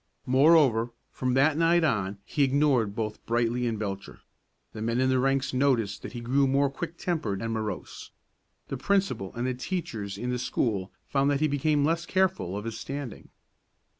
Moreover, from that night on he ignored both Brightly and Belcher; the men in the ranks noticed that he grew more quick tempered and morose; the principal and teachers in the school found that he became less careful of his standing.